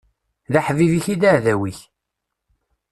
D aḥbib-ik i d aɛdaw-ik.